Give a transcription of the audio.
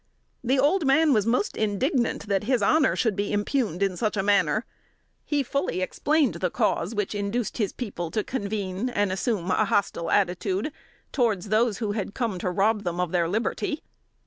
The old man was most indignant that his honor should be impugned in such manner. He fully explained the cause which induced his people to convene, and assume a hostile attitude towards those who had come to rob them of their liberty.